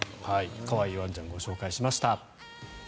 可愛いワンちゃんをご紹介しました。